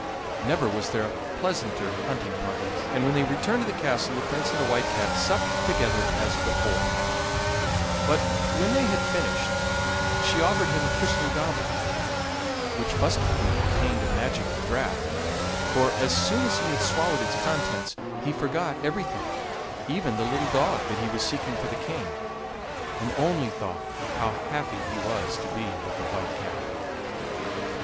Never was there a pleasanter hunting party, and when they returned to the castle the Prince and the White Cat supped together as before, but when they had finished she offered him a crystal goblet, which must have contained a magic draught, for, as soon as he had swallowed its contents, he forgot everything, even the little dog that he was seeking for the King, and only thought how happy he was to be with the White Cat!